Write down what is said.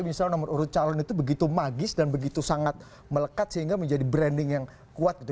misalnya nomor urut calon itu begitu magis dan begitu sangat melekat sehingga menjadi branding yang kuat gitu